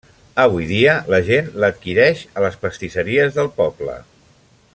Avui dia, la gent l'adquireix a les pastisseries del poble.